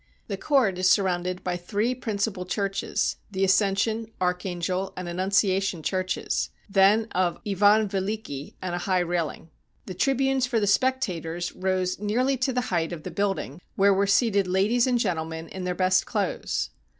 The court is surrounded by three principal churches — the Ascension, Archangel, and Annunciation churches ; then of Ivan Veliki and a high railing. The tribunes 202 THE CORONATION OF ALEXANDER II for the spectators rose nearly to the height of the build ing, where were seated ladies and gentlemen in their best clothes.